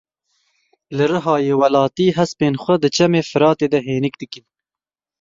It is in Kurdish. Li Rihayê welatî hespên xwe di Çemê Feratê de hênik dikin.